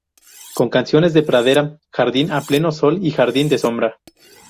Con secciones de pradera, jardín a pleno sol y jardín de sombra.